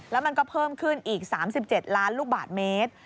แล้วมันก็เพิ่มขึ้นอีก๓๗ล้านลูกบาทเมตร